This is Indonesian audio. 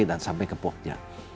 dan sampai ke pogja